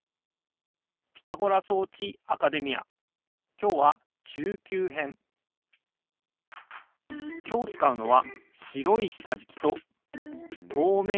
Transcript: きょうはきょうつかうのはしろいしたじきととうめいなしたじき。